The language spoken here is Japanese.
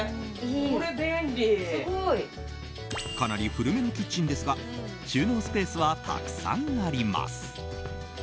かなり古めのキッチンですが収納スペースはたくさんあります。